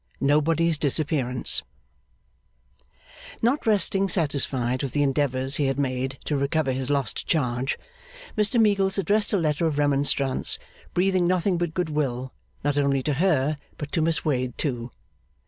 Nobody's Disappearance Not resting satisfied with the endeavours he had made to recover his lost charge, Mr Meagles addressed a letter of remonstrance, breathing nothing but goodwill, not only to her, but to Miss Wade too.